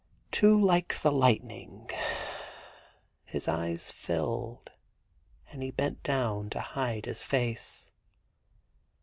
...* Too like the lightning. ...' His eyes filled and he bent down to hide his face.